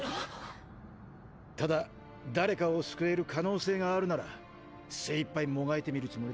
ただ誰かを救える可能性があるなら精いっぱいもがいてみるつもりだ。